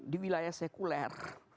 di wilayah sekuler